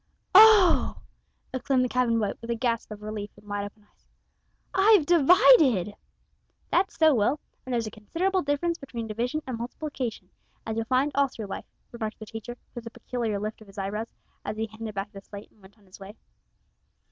"Oh!" exclaimed the cabin boy, with a gasp of relief and wide open eyes, "I've divided!" "That's so, Will, and there's a considerable difference between division and multiplication, as you'll find all through life," remarked the teacher, with a peculiar lift of his eyebrows, as he handed back the slate and went on his way.